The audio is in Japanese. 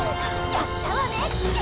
やったわね！